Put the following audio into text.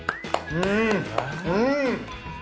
うん！